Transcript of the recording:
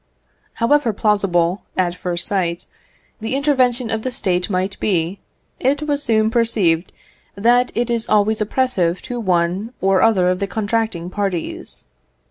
However plausible, at first sight, the intervention of the State might be, it was soon perceived that it is always oppressive to one or other of the contracting parties.